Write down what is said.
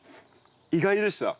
意外でした。